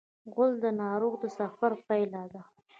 غول د ناروغ د سفر پایله ده.